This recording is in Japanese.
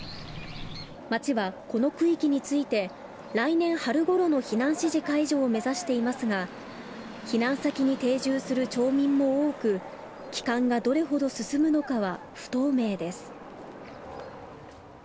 町はこの区域について来年春ごろの避難指示解除を目指していますが避難先に定住する町民も多く帰還がどれほど進むのかは不透明です。